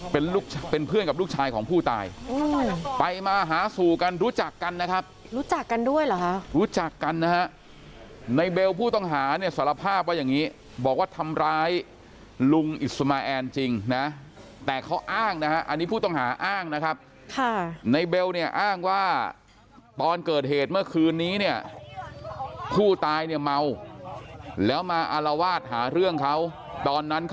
เป็นลูกเป็นเพื่อนกับลูกชายของผู้ตายไปมาหาสู่กันรู้จักกันนะครับรู้จักกันด้วยเหรอฮะรู้จักกันนะฮะในเบลผู้ต้องหาเนี่ยสารภาพว่าอย่างนี้บอกว่าทำร้ายลุงอิสมาแอนจริงนะแต่เขาอ้างนะฮะอันนี้ผู้ต้องหาอ้างนะครับค่ะในเบลเนี่ยอ้างว่าตอนเกิดเหตุเมื่อคืนนี้เนี่ยผู้ตายเนี่ยเมาแล้วมาอารวาสหาเรื่องเขาตอนนั้นค